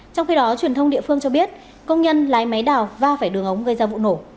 trong khi đó truyền thông địa phương cho biết công nhân lái máy đào và phải đường ống gây ra vụ nổ